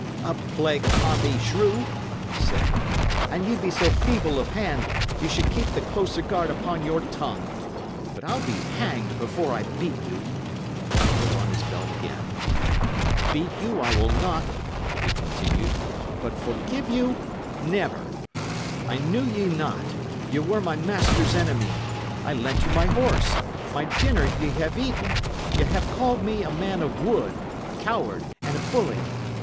"A plague upon thee, shrew!" he said. "An ye be so feeble of hand, ye should keep the closer guard upon your tongue. But I'll be hanged before I beat you!" and he put on his belt again. "Beat you I will not," he continued; "but forgive you? never. I knew ye not; ye were my master's enemy; I lent you my horse; my dinner ye have eaten; y' 'ave called me a man o' wood, a coward, and a bully.